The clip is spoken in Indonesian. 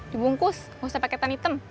dibungkus gak usah pake tanitem